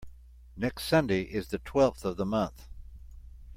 Next Sunday is the twelfth of the month.